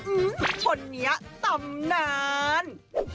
อื้อคนนี้ตำนาน